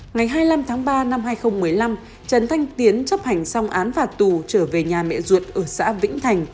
ngày hai mươi năm tháng ba năm hai nghìn một mươi năm trần thanh tiến chấp hành xong án phạt tù trở về nhà mẹ ruột ở xã vĩnh thành